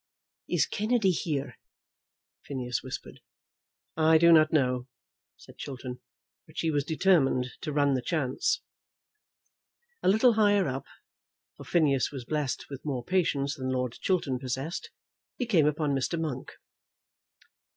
"Is Kennedy here?" Phineas whispered. "I do not know," said Chiltern, "but she was determined to run the chance." A little higher up, for Phineas was blessed with more patience than Lord Chiltern possessed, he came upon Mr. Monk.